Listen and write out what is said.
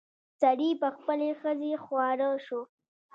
سړي په خپلې ښځې خواړه شو.